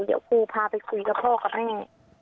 เดี๋ยวครูพาไปคุยกับพ่อกับแม่